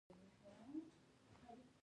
د خپلې خولې خلاصولو څخه مخکې